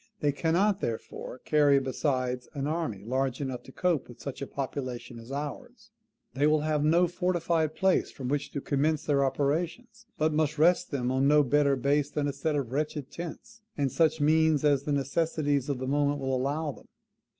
THEY CANNOT THEREFORE CARRY, BESIDES, AN ARMY LARGE ENOUGH TO COPE WITH SUCH A POPULATION AS OURS. THEY WILL HAVE NO FORTIFIED PLACE FROM WHICH TO COMMENCE THEIR OPERATIONS; BUT MUST REST THEM ON NO BETTER BASE THAN A SET OF WRETCHED TENTS, AND SUCH MEANS AS THE NECESSITIES OF THE MOMENT WILL ALLOW THEM.